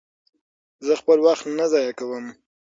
زه خپل وخت نه ضایع کوم.